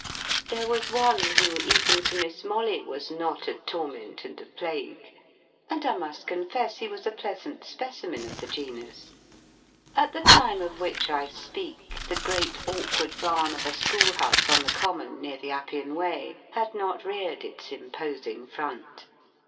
There was one, who, even to Miss Molly, was not a torment and a plague; and I must confess he was a pleasant specimen of the genus. At the time of which I speak, the great awkward barn of a school house on the Common, near the Appian Way, had not reared its imposing front.